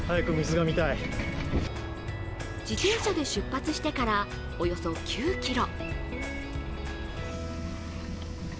自転車で出発してからおよそ９ｋｍ。